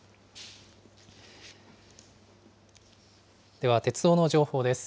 では鉄道の情報です。